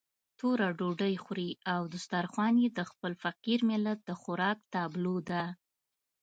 توره ډوډۍ خوري او دسترخوان يې د خپل فقير ملت د خوراک تابلو ده.